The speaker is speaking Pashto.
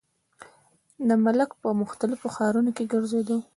د ملک پۀ مختلفو ښارونو کښې ګرزيدو ۔